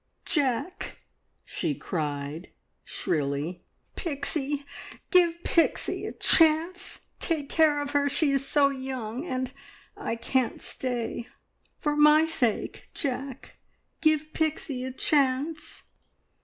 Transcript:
"Jack!" she cried shrilly "Pixie! Give Pixie a chance! Take care of her she is so young and I can't stay. For my sake, Jack, give Pixie a chance!"